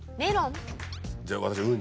じゃあ私。